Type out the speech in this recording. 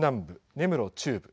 根室中部。